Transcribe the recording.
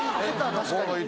確かに。